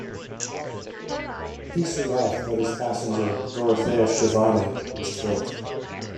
He survived but his passenger, Dorothea Schiavone, was killed.